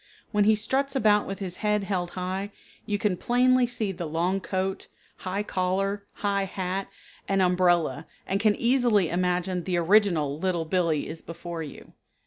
When he struts about with his head held high you can plainly see the long coat, high collar, high hat, and umbrella and can easily imagine the original Little Billee is before you.